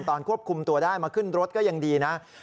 ตอนควบคุมตัวได้มาขึ้นรถก็ยังดีนะ